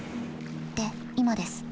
で今です。